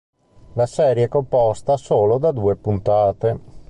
La serie è composta solo da due puntate.